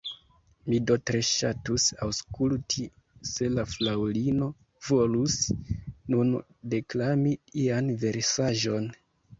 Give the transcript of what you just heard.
Mi do tre ŝatus aŭskulti, se la Fraŭlino volus nun deklami ian versaĵon.